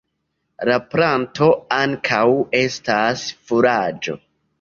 La planto ankaŭ estas furaĝo.